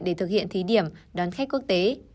để thực hiện thí điểm đón khách quốc tế